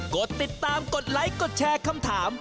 กดติดตามกดไลค์กดแชร์คำถาม